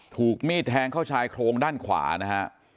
ถูกมีดแทงเข้าชายโครงด้านขวานะฮะ